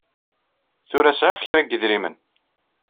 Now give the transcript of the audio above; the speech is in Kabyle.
Tura sɛiɣ kra n yedrimen.